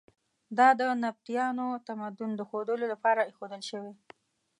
دا د نبطیانو تمدن د ښودلو لپاره ایښودل شوي.